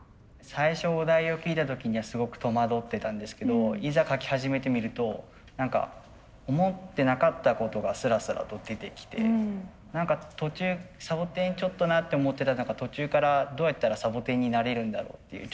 最初お題を聞いた時にはすごく戸惑ってたんですけどいざ描き始めてみると何か思ってなかったことがすらすらと出てきて何か途中「サボテンちょっとな」って思ってたら途中から「どうやったらサボテンになれるんだろう」っていう